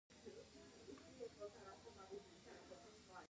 ایا زه باید د زړه بطرۍ ولګوم؟